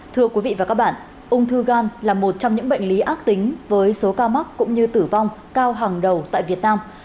thưa quý vị và các bạn ung thư gan là một trong những bệnh lý ác tính với số ca mắc cũng như tử vong cao hàng đầu tại việt nam